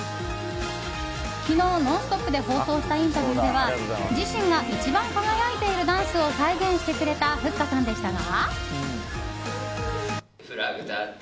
昨日、「ノンストップ！」で放送したインタビューでは自身が一番輝いているダンスを再現してくれたふっかさんでしたが。